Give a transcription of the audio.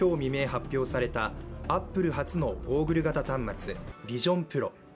発表されたアップル初のゴーグル型端末、ＶｉｓｉｏｎＰｒｏ。